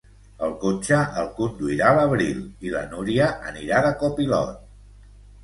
El cotxe el conduirà l'Abril i la Núria anirà de co-pilot